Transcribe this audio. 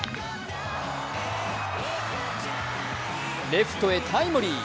レフトへタイムリー。